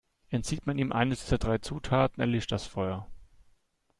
Entzieht man ihm eines dieser drei Zutaten, erlischt das Feuer.